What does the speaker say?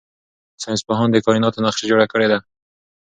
ساینس پوهانو د کائناتو نقشه جوړه کړې ده.